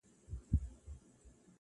• د حاجتونو جوابونه لیکي -